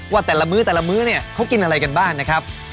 ว่าแต่ละมื้อแต่ละมื้อเนี่ยเขากินอะไรกันบ้างนะครับ